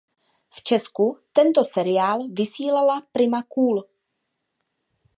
V Česku tento seriál vysílala Prima Cool.